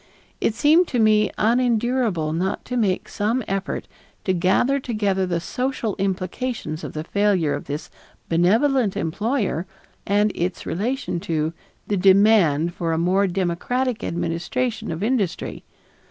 It seemed to me unendurable not to make some effort to gather together the social implications of the failure of this benevolent employer and its relation to the demand for a more democratic administration of industry.